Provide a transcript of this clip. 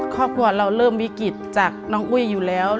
ครอบครัวเราเริ่มวิกฤตจากน้องอุ้ยอยู่แล้ว